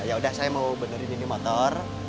ya udah saya mau benerin ini motor